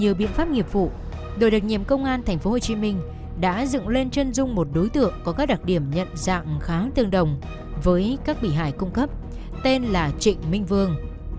đội cảnh sát đặc nhiệm công an tp hcm đã ngay lập tức tiến hành khoanh vùng